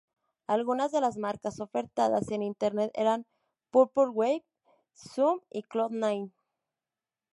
Algunas de las marcas ofertadas en internet eran "Purple Wave," "Zoom," y "Cloud Nine.